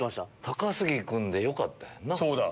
高杉君でよかったんやな。